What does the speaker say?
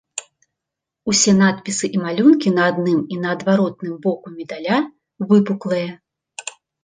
Усе надпісы і малюнкі на адным і на адваротным боку медаля выпуклыя.